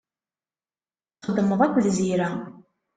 Txeddmeḍ akked Zira.